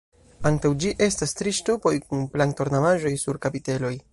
Antaŭ ĝi estas tri ŝtupoj kun planto-ornamaĵoj sur kapiteloj.